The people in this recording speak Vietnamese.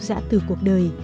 giã từ cuộc đời